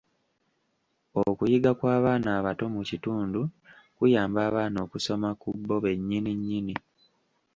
Okuyiga kw'abaana abato mu kitundu kuyamba abaana okusoma ku bo be nnyini nnyini.